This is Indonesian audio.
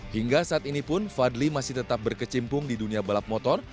hingga saat ini pun fadli masih tetap berkecimpung di dunia balap motor